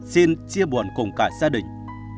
xin chia buồn cùng cả gia đình